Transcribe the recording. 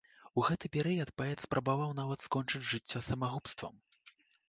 У гэты перыяд паэт спрабаваў нават скончыць жыццё самагубствам.